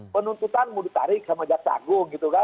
penuntutan mau ditarik sama jatjago gitu kan